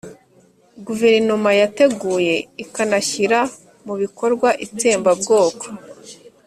Guverinoma yateguye ikanashyira mu bikorwa itsembabwoko